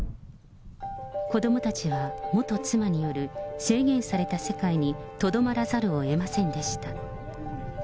子どもたちは元妻による制限された世界に、とどまらざるをえませんでした。